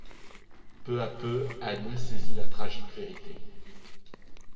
Peu à peu, Annie saisit la tragique vérité.